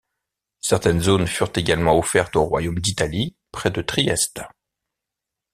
Certaines zones furent également offertes au Royaume d'Italie près de Trieste.